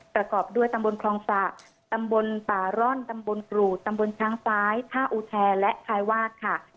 ประกอบด้วยตำบลคลองสะตำบลป่าร่อนตำบลกรูดตำบลช้างซ้ายท่าอุแทและคายวาสค่ะ